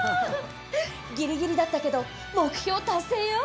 ギリギリだったけど目標達成よ！